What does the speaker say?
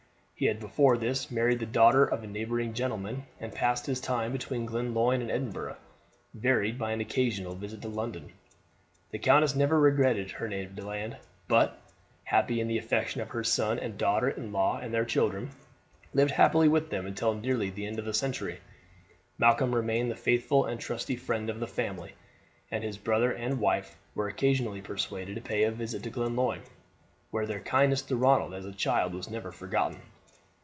He had before this married the daughter of a neighbouring gentleman, and passed his time between Glenlyon and Edinburgh, varied by an occasional visit to London. The countess never regretted her native land, but, happy in the affection of her son and daughter in law and their children, lived happily with them until nearly the end of the century. Malcolm remained the faithful and trusty friend of the family; and his brother and his wife were occasionally persuaded to pay a visit to Glenlyon, where their kindness to Ronald as a child was never forgotten.